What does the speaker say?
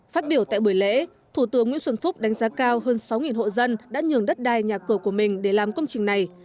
phát biểu tại buổi lễ thủ tướng nguyễn xuân phúc đánh giá cao hơn sáu hộ dân đã nhường đất đai nhà cửa của mình để làm công trình này